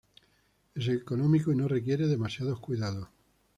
Es económico y no requiere demasiados cuidados.